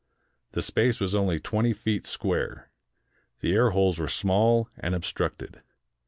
The space was only twenty feet square. The air holes were small and obstructed.